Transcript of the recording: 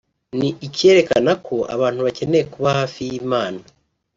ni icyerekana ko abantu bakeneye kuba hafi y’Imana